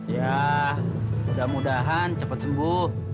ya mudah mudahan cepat sembuh